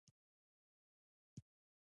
همدا حکمت دی.